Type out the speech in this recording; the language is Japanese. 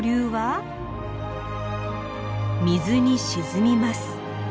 水に沈みます。